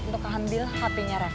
untuk ambil hpnya refah